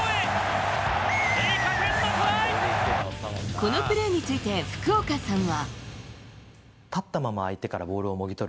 このプレーについて福岡さんは。